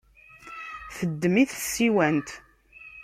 Teddem-it tsiwant.